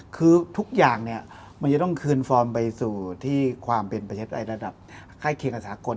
คือทุกอย่างเนี่ยมันจะต้องคืนฟอร์มไปสู่ที่ความเป็นประเทศไทยระดับใกล้เคียงกับสากล